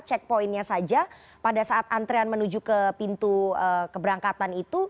checkpointnya saja pada saat antrean menuju ke pintu keberangkatan itu